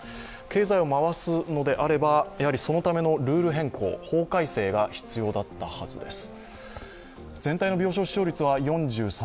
経済を回すのであれば、そのためのルール変更、法改正が必要だったはずです。